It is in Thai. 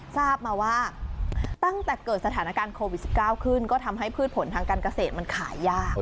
ทราบมาว่าตั้งแต่เกิดสถานการณ์โควิด๑๙ขึ้นก็ทำให้พืชผลทางการเกษตรมันขายยาก